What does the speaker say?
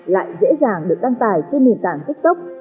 lại dễ dàng được đăng tải trên nền tảng tiktok